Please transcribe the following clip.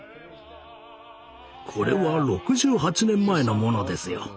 これは６８年前の物ですよ。